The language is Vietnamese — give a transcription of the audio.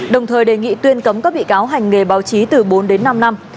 đồng thời đề nghị tuyên cấm các bị cáo hành nghề báo chí từ bốn đến năm năm